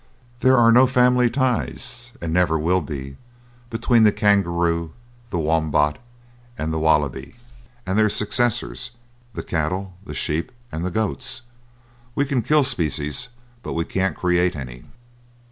There are no family ties, and never will be, between the kangaroo, the wombat and wallaby, and their successors, the cattle, the sheep, and the goats. We can kill species, but we can't create any.